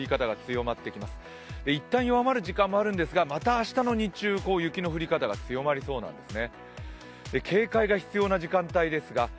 いったん弱まる時間もあるんですけれども、また明日の日中、雪の降り方が強まりそうなんですね。